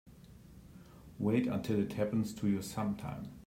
Wait until it happens to you sometime.